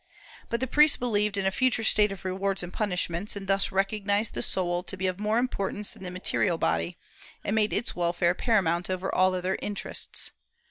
But the priests believed in a future state of rewards and punishments, and thus recognized the soul to be of more importance than the material body, and made its welfare paramount over all other interests.